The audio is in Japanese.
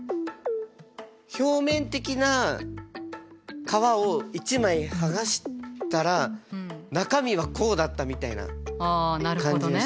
表面的な皮を一枚剥がしたら中身はこうだったみたいな感じがしますね。